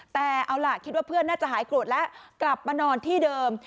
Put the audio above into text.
แต่เอาล่ะคิดว่าเพื่อนน่าจะหายโกรธแล้วกลับมานอนที่เดิม